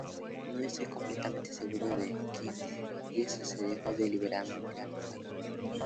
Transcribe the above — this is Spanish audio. No estoy completamente seguro de a quien, y eso se dejó deliberadamente al azar.